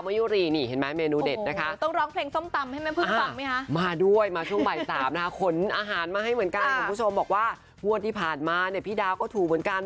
พูดที่ผ่านมาพี่ดาวก็ถูกเหมือนกัน